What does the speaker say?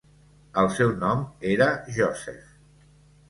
El seu nom era Joseph.